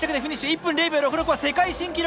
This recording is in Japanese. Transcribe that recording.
１分０秒６６は世界新記録！